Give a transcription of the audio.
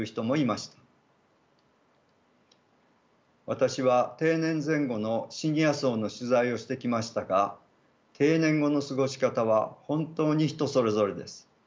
私は定年前後のシニア層の取材をしてきましたが定年後の過ごし方は本当に人それぞれです。